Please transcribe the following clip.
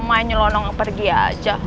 mainnya lo nongok pergi aja